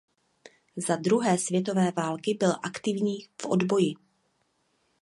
Za druhé světové války byl aktivní v odboji.